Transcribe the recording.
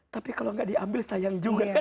tapi kalau gak diambil sayang juga